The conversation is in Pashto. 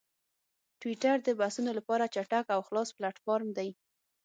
ټویټر د بحثونو لپاره چټک او خلاص پلیټفارم دی.